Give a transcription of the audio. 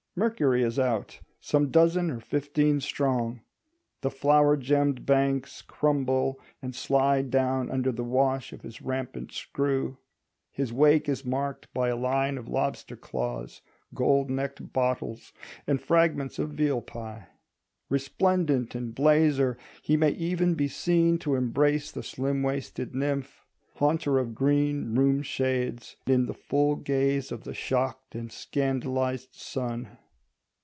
Mercury is out—some dozen or fifteen strong. The flower gemmed banks crumble and slide down under the wash of his rampant screw; his wake is marked by a line of lobster claws, gold necked bottles, and fragments of veal pie. Resplendent in blazer, he may even be seen to embrace the slim waisted nymph, haunter of green (room) shades, in the full gaze of the shocked and scandalised sun.